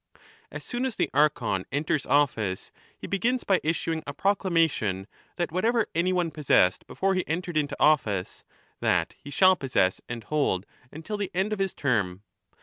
As soon as the Archon enters office, he begins by issuing a proclamation that whatever anyone possessed before he entered into office, that he shall possess and hold until the end of his term.